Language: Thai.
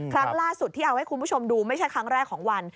ครั้งล่าสุดที่เอาให้คุณผู้ชมดูไม่ใช่ครั้งแรกของวัน